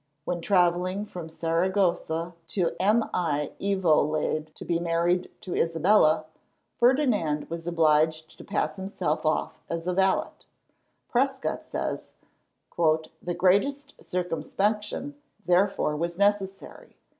When travelling from Saragossa to Valladolid to be married to Isabella, Ferdinand was obliged to pass himself off as a valet. Prescott says: "The greatest circumspection, therefore, was necessary.